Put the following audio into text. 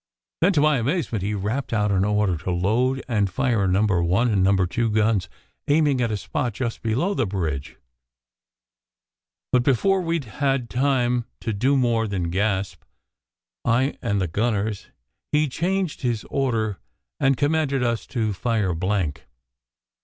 Then to my amazement he rapped out an order to load and fire number one and number two guns, aiming at a spot just beyond the bridge. But before we d had time to do more than gasp I and the gunners he changed his order, and commanded us to fire blank.